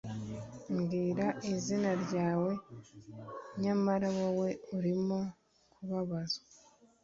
Mbwira izina ryawe nyamara wowe urimo kubabazwa